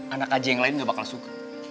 anak aja yang lain gak bakal suka